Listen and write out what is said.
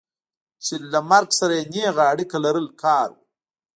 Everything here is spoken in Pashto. چې له مرګ سره یې نېغه اړیکه لرل کار و.